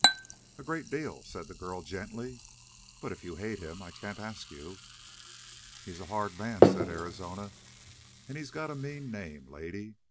"A great deal," said the girl gently. "But if you hate him, I can't ask you." "He's a hard man," said Arizona, "and he's got a mean name, lady.